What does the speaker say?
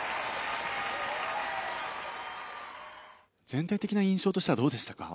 全体的な印象としてはどうでしたか？